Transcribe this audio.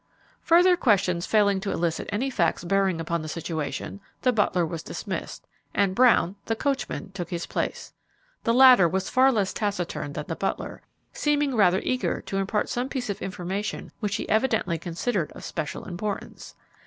Further questions failing to elicit any facts bearing upon the situation, the butler was dismissed, and Brown, the coachman, took his place. The latter was far less taciturn than the butler, seeming rather eager to impart some piece of information which he evidently considered of special importance.